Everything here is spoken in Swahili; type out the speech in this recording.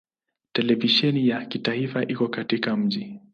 Televisheni ya kitaifa iko katika mji.